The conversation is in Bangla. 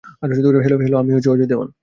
হ্যালো, আমি অজয় দেওয়ান।